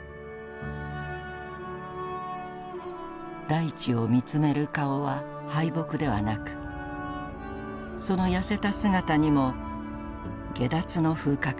「大地を見つめる顔は敗北ではなくその痩せた姿にも解脱の風格があった。